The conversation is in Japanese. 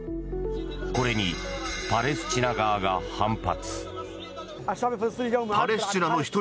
これにパレスチナ側が反発。